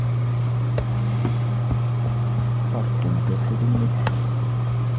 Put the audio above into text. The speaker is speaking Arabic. فرك الجرح بالملح.